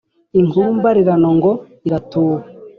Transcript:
Inkuru mbarirano ngo iratuba